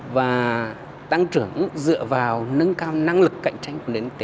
và tăng trưởng dựa vào nâng cao năng lực cạnh tranh của nền kinh tế